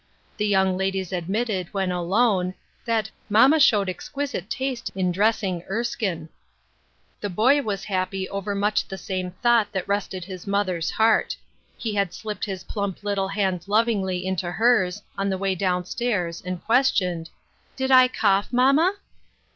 The young ladies admitted, when alone, that " mamma showed exquisite taste in dressing Erskine." The boy was happy over much the same thought that rested his mother's heart. He had slipped his plump little hand lovingly into hers, on the way down stairs, and questioned, "Did I cough, mamma?"